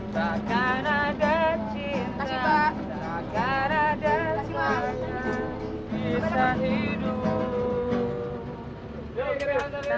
tidak kita tidak turun di sini